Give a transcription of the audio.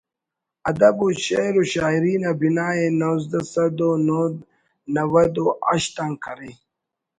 ادب و شعر و شاعری نا بناءِ نوزدہ سد و نود و ہشت آن کرے